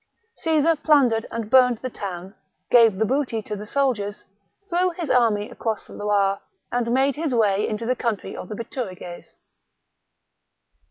Caesar plundered and burned the town ; gave the booty to the soldiers ; threw his army across the Loire, and made his way into the country of the Bituriges.